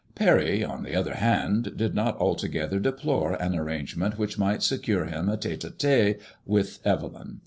Parry, on the other hand, did not altogether deplore an ar rangement which might secure him a tHe ir tiU with Evelyn.